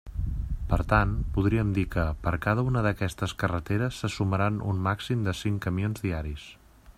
Per tant, podríem dir que, per cada una d'aquestes carreteres se sumaran un màxim de cinc camions diaris.